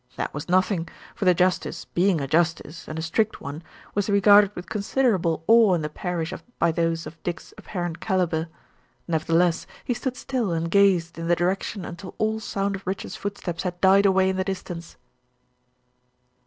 That was nothing; for the justice, being a justice, and a strict one, was regarded with considerable awe in the parish by those of Dick's apparent caliber. Nevertheless, he stood still and gazed in the direction until all sound of Richard's footsteps had died away in the distance.